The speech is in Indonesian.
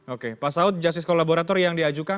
oke pak saud justice kolaborator yang diajukan